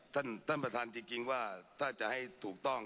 ต้านประทานจริงแกงว่าการทำตัวถูกต้อง